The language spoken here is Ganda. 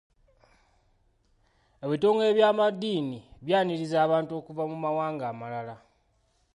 Ebitongole by'amaddiini byaniriza abantu okuva mu mawanga amalala.